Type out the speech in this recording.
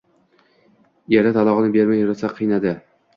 Eri talogʻini bermay rosa qiynadi.